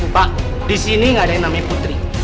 pak di sini nggak ada yang namanya putri